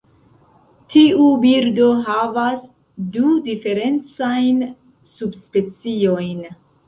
Tiu birdo havas du diferencajn subspeciojn.